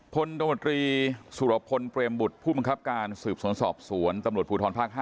ผลตมตรีสุรพนธ์เตรียมบุตรผู้บังคับการสืบสนสอบศวรรษ์ตำรวจภูทรภาค๕